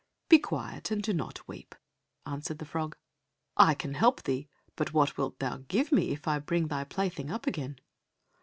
"Be quiet, and do not weep," answered the frog, "I can help thee, but what wilt thou give me if I bring thy plaything up again?"